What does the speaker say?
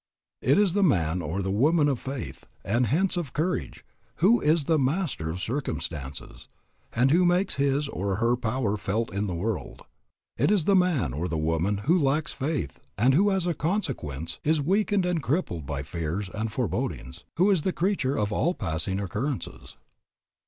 It is the man or the woman of faith, and hence of courage, who is the master of circumstances, and who makes his or her power felt in the world. It is the man or the woman who lacks faith and who as a consequence is weakened and crippled by fears and forebodings, who is the creature of all passing occurrences.